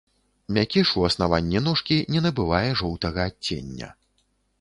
Мякіш у аснаванні ножкі не набывае жоўтага адцення.